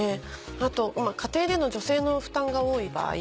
あと家庭での女性の負担が多い場合